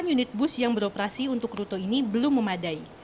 delapan unit bus yang beroperasi untuk rute ini belum memadai